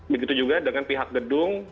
begitu juga dengan pihak gedung